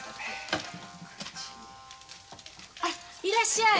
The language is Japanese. アいらっしゃい！